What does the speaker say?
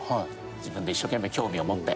自分で一生懸命興味を持って。